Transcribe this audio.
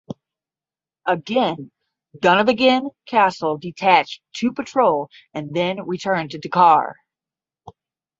Again "Dunvegan Castle" detached to patrol and then return to Dakar.